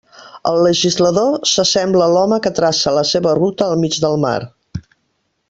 El legislador s'assembla a l'home que traça la seva ruta al mig del mar.